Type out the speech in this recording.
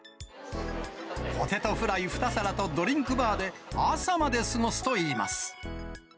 ポテトフライ２皿とドリンクバーで、朝まで過ごすといいます。